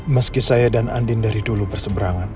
meski saya dan andin dari dulu berseberangan